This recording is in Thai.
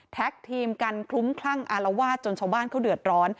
ทีมกันคลุ้มคลั่งอารวาสจนชาวบ้านเขาเดือดร้อน